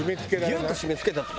ギュッと締め付けたって。